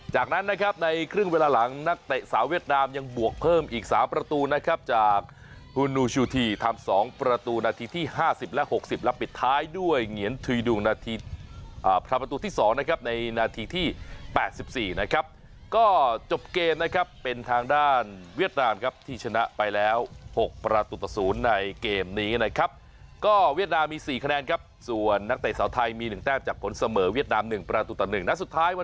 จากนั้นนะครับในครึ่งเวลาหลังนักเตะสาวเวียดนามยังบวกเพิ่มอีก๓ประตูนะครับจากฮูนูชูที่ทำ๒ประตูนาทีที่๕๐และ๖๐และปิดท้ายด้วยเหงียนทุยดุงนาทีพระประตูที่๒นะครับในนาทีที่๘๔นะครับก็จบเกมนะครับเป็นทางด้านเวียดนามครับที่ชนะไปแล้ว๖ประตูต่อศูนย์ในเกมนี้นะครับก็เวียดนามมี๔คะ